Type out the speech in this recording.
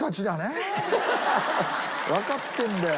わかってるんだよ。